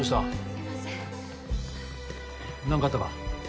すいません何かあったか？